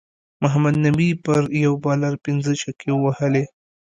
محمد نبی پر یو بالر پنځه چکی ووهلی